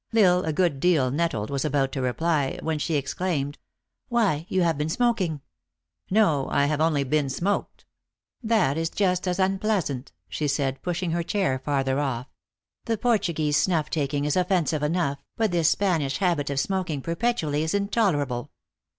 L Isle, a good deal nettled, was about to reply, when she exclaimed, " Why, you have been smoking!" " No, I have only been smoked." " That is just as unpleasant," she said, pushing her chair farther off. "The Portuguese snuff taking is offensive enough, but this Spanish habit of smoking perpetually is intolerable.